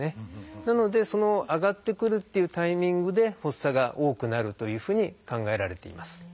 なのでその上がってくるっていうタイミングで発作が多くなるというふうに考えられています。